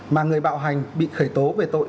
mà người bạo hành bị khởi tố về tội